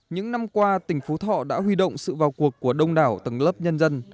những năm qua tỉnh phú thọ đã huy động sự vào cuộc của đông đảo tầng lớp nhân dân